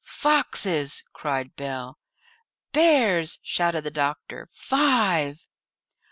"Foxes!" cried Bell. "Bears!" shouted the doctor. "Five!"